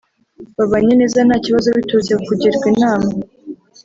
babanye neza nta kibazo biturutse ku kugirwa inama